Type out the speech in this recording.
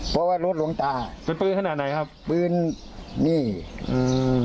เพราะว่ารถหลวงตาเป็นปืนขนาดไหนครับปืนนี่อืม